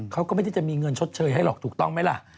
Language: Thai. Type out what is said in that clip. เขาก็ไม่ได้จะมีเงินชดเชยให้หรอกถูกต้องไหมล่ะ